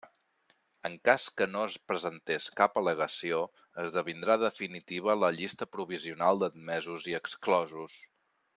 En cas que no es presentés cap al·legació, esdevindrà definitiva la llista provisional d'admesos i exclosos.